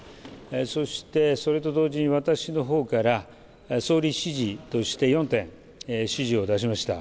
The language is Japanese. そしてそれと同時に私の方から総理指示として４点指示を出しました。